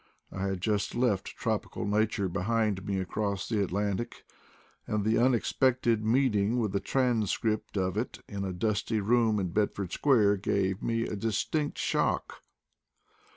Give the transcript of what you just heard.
I had just left tropical nature behind me across the Atlantic, and the unexpected meeting with a transcript of it in a dusty room in Bedford Square gave me a distinct shock.